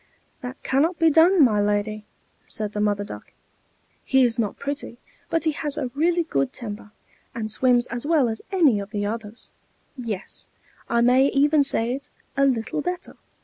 "That cannot be done, my lady," said the Mother Duck. "He is not pretty, but he has a really good temper, and swims as well as any of the others; yes, I may even say it, a little better.